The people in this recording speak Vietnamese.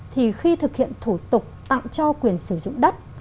thì khi thực hiện thủ tục tặng cho quyền sử dụng đất